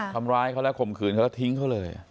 ทำร้ายเขาแล้วข่มขืนเขาแล้วทิ้งเขาเลย